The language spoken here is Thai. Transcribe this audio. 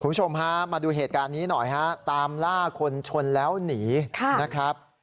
คุณผู้ชมฮะมาดูเหตุการณ์นี้หน่อยฮะตามล่าคนชนแล้วหนีนะครับ